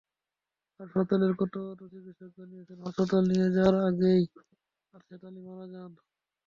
হাসপাতালের কর্তব্যরত চিকিৎসক জানিয়েছেন, হাসপাতালে নিয়ে যাওয়ার আগেই আরশেদ আলী মারা যান।